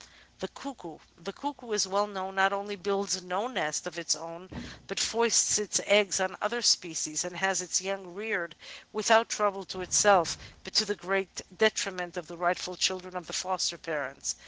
The Cuckoo The Cuckoo, as is well known, not only builds no nest of its own, but foists its eggs on other species, and has its young reared without trouble to itself but to the great detriment of the rightful children of the foster parents.